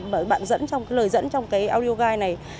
bởi bạn dẫn trong lời dẫn trong cái audio guide này